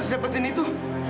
kaki dia mau tamatkanmu